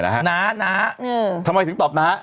หนาทำไมถึงตอบหนา